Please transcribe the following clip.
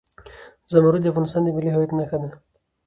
زمرد د افغانستان د ملي هویت نښه ده.